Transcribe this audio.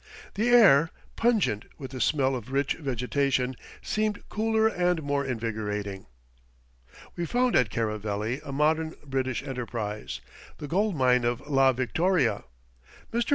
The air, pungent with the smell of rich vegetation, seemed cooler and more invigorating. We found at Caraveli a modern British enterprise, the gold mine of "La Victoria." Mr.